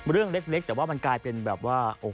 เรื่องเล็กแต่ว่ามันกลายเป็นแบบว่า